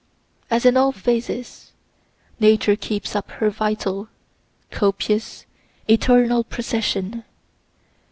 As in all phases, Nature keeps up her vital, copious, eternal procession.